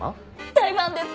大ファンです！